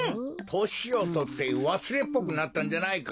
・としをとってわすれっぽくなったんじゃないか！？